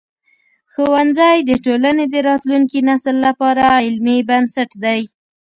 ښوونځی د ټولنې د راتلونکي نسل لپاره علمي بنسټ دی.